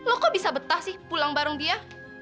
lo kok bisa betah sih pulang bareng dia